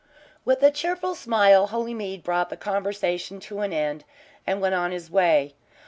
With a cheerful smile Holymead brought the conversation to an end and went on his way.